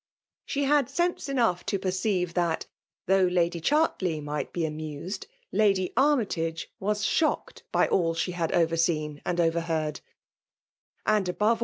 St» had sense enou^ to per ostve that» though Lady CStaidey might be amused, Lady Armytage was shocked by a& die had ovenmen and overfaeafd ; and above aU.